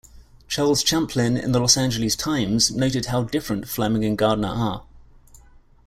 Charles Champlin in the "Los Angeles Times" noted how different Fleming and Gardner are.